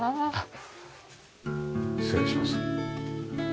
失礼します。